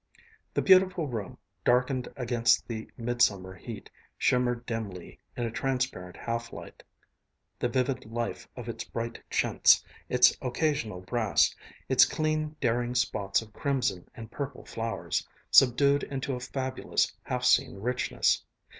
The beautiful room, darkened against the midsummer heat, shimmered dimly in a transparent half light, the vivid life of its bright chintz, its occasional brass, its clean, daring spots of crimson and purple flowers, subdued into a fabulous, half seen richness.